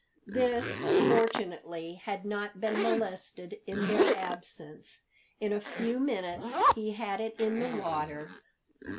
This, fortunately, had not been molested in their absence; in a few minutes he had it in the water.